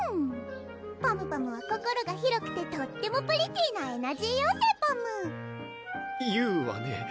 パムパムは心が広くてとってもプリティーなエナジー妖精パム言うわね